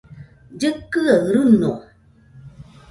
llɨkɨaɨ rɨño